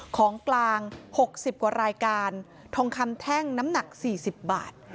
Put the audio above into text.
ของกลาง๖๐กว่ารายการทองคำแท่งน้ำหนัก๔๐บาท